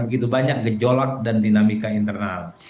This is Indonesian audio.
begitu banyak gejolak dan dinamika internal